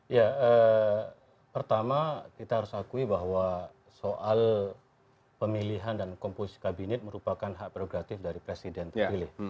ya pertama kita harus akui bahwa soal pemilihan dan komposisi kabinet merupakan hak prerogatif dari presiden terpilih